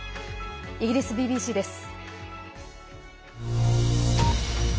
イギリスＢＢＣです。